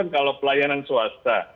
kalau pelayanan swasta